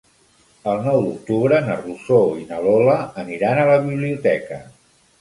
El nou d'octubre na Rosó i na Lola aniran a la biblioteca.